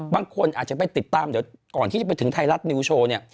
บางคนอาจจะไปติดตามเดี๋ยวก่อนที่จะไปถึงไทยรัฐนิวโชว์เนี่ย